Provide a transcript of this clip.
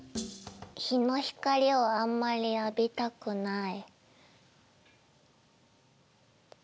日の光をあんまり浴びたくない。